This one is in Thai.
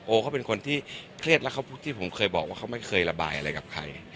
เขาเป็นคนที่เครียดแล้วเขาพูดที่ผมเคยบอกว่าเขาไม่เคยระบายอะไรกับใคร